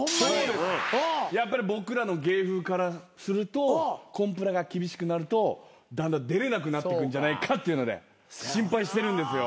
やっぱり僕らの芸風からするとコンプラが厳しくなるとだんだん出れなくなってくんじゃないかっていうので心配してるんですよ。